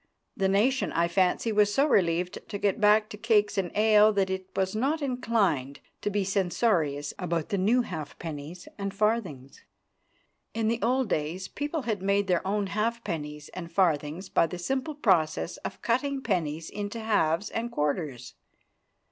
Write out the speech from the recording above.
The nation, I fancy, was so relieved to get back to cakes and ale that it was not inclined to be censorious about the new halfpennies and farthings. In the old days, people had made their own halfpennies and farthings by the simple process of cutting pennies into halves and quarters.